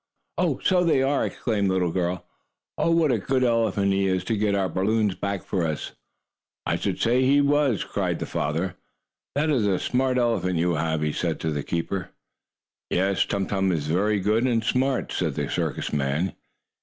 "Oh, so they are!" exclaimed the little girl. "Oh, what a good elephant he is to get our balloons back for us!" "I should say he was!" cried the papa. "That is a smart elephant you have," he said to the keeper. "Yes, Tum Tum is very good and smart," said the circus man.